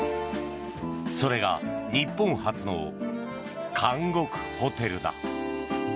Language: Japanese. それが日本初の監獄ホテルだ。